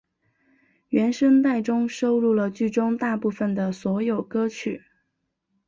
原声带中收录了剧中大部份的所有歌曲。